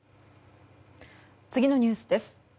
次のニュースです。